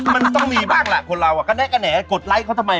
มันต้องมีบ้างอะคนเราก็แน่กดไลค์เขาทำไม